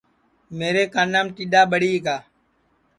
میرے کانام ٹیڈؔا ٻڑی گا